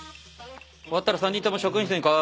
終わったら３人とも職員室に来い。